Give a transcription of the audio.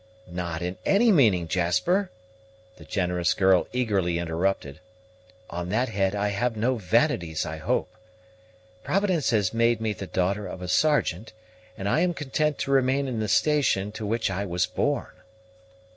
"Not in any meaning, Jasper," the generous girl eagerly interrupted: "on that head, I have no vanities, I hope. Providence has made me the daughter of a sergeant, and I am content to remain in the station in which I was born."